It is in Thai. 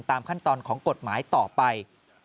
ตามขั้นตอนของกฎหมายต่อไป